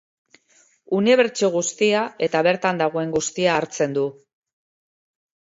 Unibertso guztia eta bertan dagoen guztia hartzen du.